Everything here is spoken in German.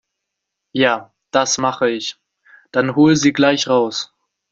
Ja, das mache ich. Dann hol sie gleich raus.